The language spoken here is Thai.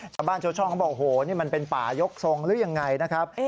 ชาวบ้านชาวช่องเขาบอกโอ้โหนี่มันเป็นป่ายกทรงหรือยังไงนะครับ